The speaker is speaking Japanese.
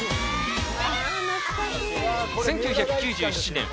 １９９７年